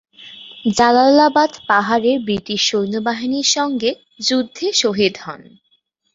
জালালাবাদ পাহাড়ে ব্রিটিশ সৈন্যবাহিনীর সংগে যুদ্ধে শহীদ হন।